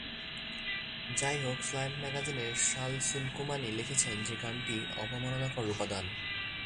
যাইহোক, স্লান্ট ম্যাগাজিনের সাল সিনকুমানি লিখেছেন যে গানটি "অবমাননাকর উপাদান"।